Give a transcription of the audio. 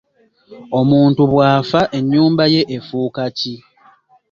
Omuntu bw'afa ennyumba ye efuuka ki?